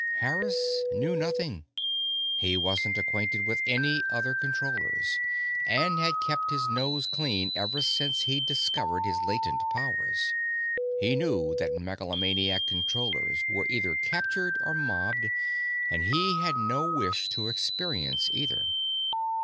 Harris knew nothing. He wasn't acquainted with any other Controllers, and had kept his nose clean ever since he'd discovered his latent powers. He knew that megalomaniac Controllers were either captured or mobbed, and he had no wish to experience either.